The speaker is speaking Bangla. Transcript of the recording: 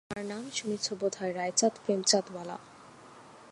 তার নাম শুনেছ বোধ হয়–রায়চাঁদ-প্রেমচাঁদ-ওয়ালা।